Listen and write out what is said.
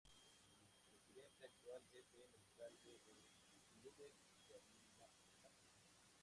El Presidente actual es el alcalde de Lübeck, Bernd Saxe.